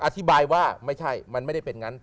อธิบายว่าไม่ใช่มันไม่ได้เป็นงั้น